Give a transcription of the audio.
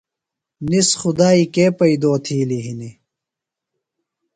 نِس خُدائی کے پیئدو تِھیلیۡ ہِنیۡ۔